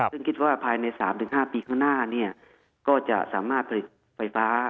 ซึ่งคิดว่าภายใน๓๕ปีข้างหน้าก็จะสามารถผลิตไฟฟ้า